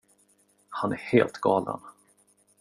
Han är helt galen.